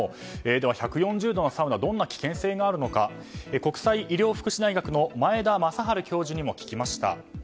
では、１４０度のサウナどんな危険性があるのか国際医療福祉大学の前田眞治教授にも聞きました。